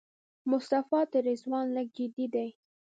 مصطفی تر رضوان لږ جدي دی.